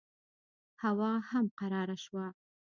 هوا هم قراره شوه.